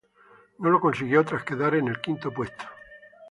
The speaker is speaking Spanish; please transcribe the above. No lo consiguió, tras quedar en el quinto puesto.